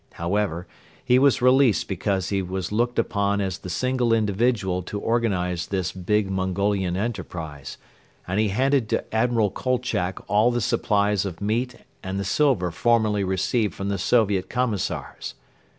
However, he was released because he was looked upon as the single individual to organize this big Mongolian enterprise and he handed to Admiral Kolchak all the supplies of meat and the silver formerly received from the Soviet commissars.